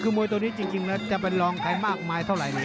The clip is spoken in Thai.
คือมวยตัวนี้จริงจะเป็นลองไขมากมายเท่าไหร่